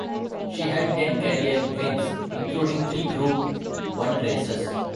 She had ten career wins including three Group one races.